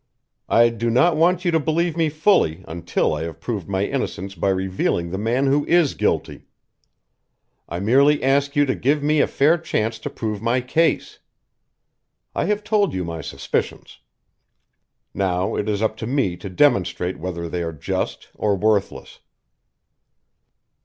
I do not want you to believe me fully until I have proved my innocence by revealing the man who is guilty. I merely ask you to give me a fair chance to prove my case. I have told you my suspicions. Now it is up to me to demonstrate whether they are just or worthless."